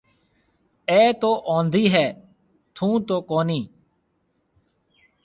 اَي تو اونڌِي هيَ ٿُون تو ڪونِي۔